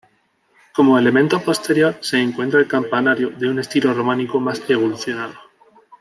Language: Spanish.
Como elemento posterior, se encuentra el campanario, de un estilo románico más evolucionado.